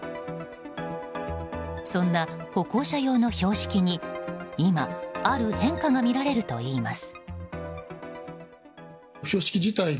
そんな歩行者用の標識に今、ある変化が見られるといいます。